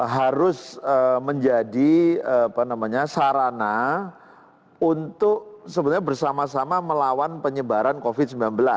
harus menjadi sarana untuk sebenarnya bersama sama melawan penyebaran covid sembilan belas